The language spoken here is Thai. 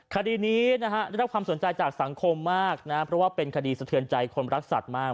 คดีนี้นะฮะได้รับความสนใจจากสังคมมากนะเพราะว่าเป็นคดีสะเทือนใจคนรักสัตว์มาก